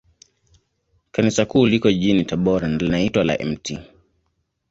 Kanisa Kuu liko jijini Tabora, na linaitwa la Mt.